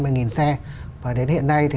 hai ba mươi nghìn xe và đến hiện nay thì